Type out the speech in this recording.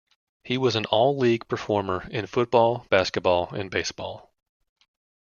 He was an All-League performer in football, basketball, and baseball.